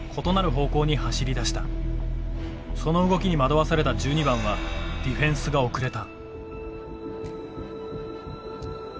その動きに惑わされた１２番はディフェンスが遅れた。